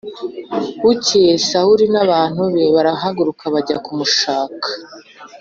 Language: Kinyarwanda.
Bukeye Sawuli n’abantu be barahaguruka bajya kumushaka